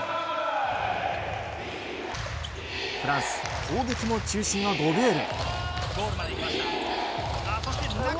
フランス、攻撃の中心はゴベール。